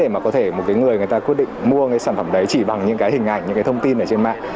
không dễ để có thể một người người ta quyết định mua sản phẩm đấy chỉ bằng những hình ảnh những thông tin trên mạng